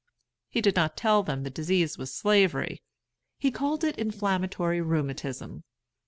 He did not tell them the disease was Slavery; he called it inflammatory rheumatism.